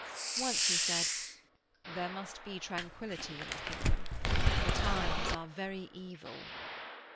Once he said, 'There must be tranquillity in the kingdom. The times are very evil!'